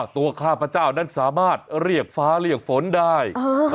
ข้าพเจ้านั้นสามารถเรียกฟ้าเรียกฝนได้